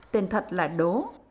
tên thật là đố